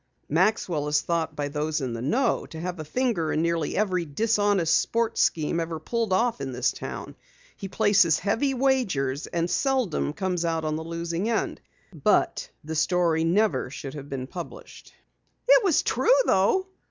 "Maxwell is thought by those in the know to have a finger in nearly every dishonest sports scheme ever pulled off in this town. He places heavy wagers, and seldom comes out on the losing end. But the story never should have been published." "It was true though?"